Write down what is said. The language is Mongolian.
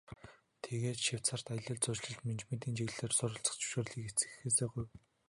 Тэгээд Швейцарьт аялал жуулчлал, менежментийн чиглэлээр суралцах зөвшөөрлийг эцэг эхээсээ гуйв.